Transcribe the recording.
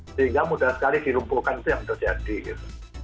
sehingga mudah sekali dilumpulkan itu yang terjadi gitu